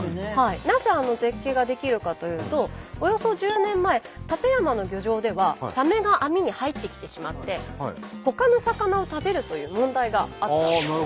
なぜあの絶景が出来るかというとおよそ１０年前館山の漁場ではサメが網に入ってきてしまってほかの魚を食べるという問題があったんです。